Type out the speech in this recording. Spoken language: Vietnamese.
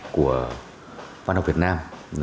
của văn học việt nam